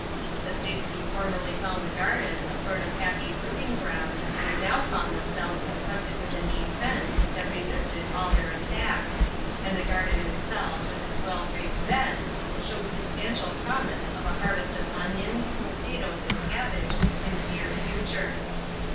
The pigs who formerly found the garden a sort of happy rooting ground now found themselves confronted with a neat fence that resisted all their attacks, and the garden itself with its well raked beds, showed substantial promise of a harvest of onions, potatoes and cabbage in the near future.